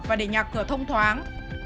và để nhà cửa thông thoáng